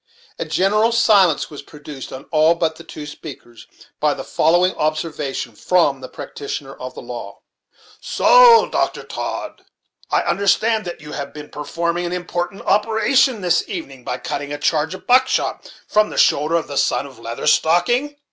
A general silence was produced on all but the two speakers, by the following observation from the practitioner of the law: "So, Dr. Todd, I understand that you have been per forming an important operation this evening by cutting a charge of buckshot from the shoulder of the son of Leather Stocking?"